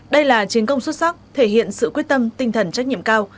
đây là chiến công xuất sắc thể hiện sự quyết tâm tinh thần trách nhiệm cao